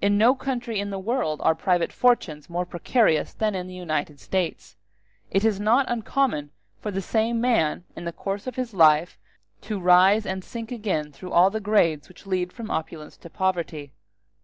In no country in the world are private fortunes more precarious than in the United States. It is not uncommon for the same man, in the course of his life, to rise and sink again through all the grades which lead from opulence to poverty.